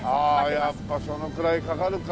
やっぱそのくらいかかるか。